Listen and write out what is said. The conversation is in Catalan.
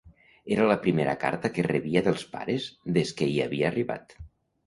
Era la primera carta que rebia dels pares des que hi havia arribat.